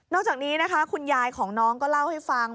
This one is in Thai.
นอกจากนี้คุณยายของน้องก็เล่าให้ฟัง